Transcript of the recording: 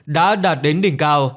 đã đạt đến đỉnh cao